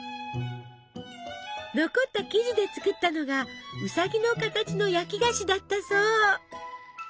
残った生地で作ったのがウサギの形の焼き菓子だったそう。